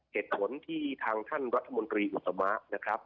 เหตุผลที่ทางท่านรัฐมนตรีอุตสมะนะครับ